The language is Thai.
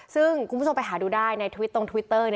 ซึ่งคุณผู้ชมไปหาดูได้ในทวิตตรงทวิตเตอร์